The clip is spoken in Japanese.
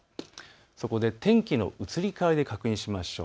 そこで天気の移り変わりで確認しましょう。